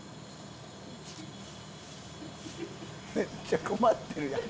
めっちゃ困ってるやん。